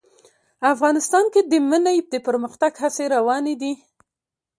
افغانستان کې د منی د پرمختګ هڅې روانې دي.